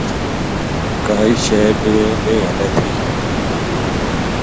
کائے شے بے نیہ ہَلے تھی